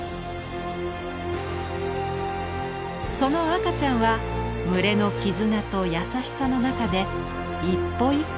その赤ちゃんは群れの絆と優しさの中で一歩一歩